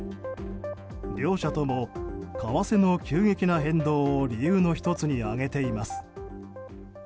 両社とも為替の急激な変動を理由の１つに挙げています。